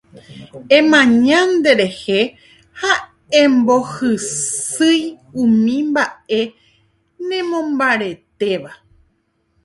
Emaña ndejehe ha embohysýi umi mba'e nemombaretéva